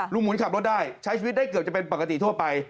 หมุนขับรถได้ใช้ชีวิตได้เกือบจะเป็นปกติทั่วไป